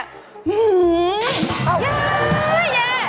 แย่